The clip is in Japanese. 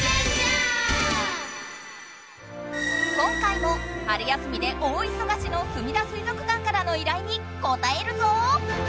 今回も春休みで大いそがしのすみだ水族館からの依頼にこたえるぞ！